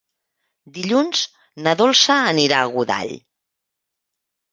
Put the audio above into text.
Dilluns na Dolça anirà a Godall.